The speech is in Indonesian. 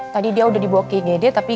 tadi dia udah dibawa ke igd tapi